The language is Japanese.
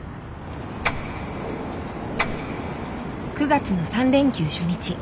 ９月の３連休初日。